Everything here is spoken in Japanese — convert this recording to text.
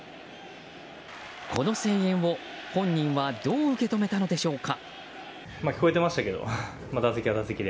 この声援を本人はどう受け止めたのでしょうか。